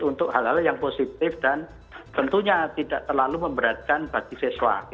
untuk hal hal yang positif dan tentunya tidak terlalu memberatkan bagi siswa